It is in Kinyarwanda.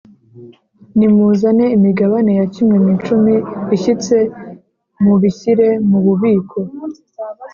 Nimuzane imigabane ya kimwe mu icumi ishyitse mubishyire mu bubiko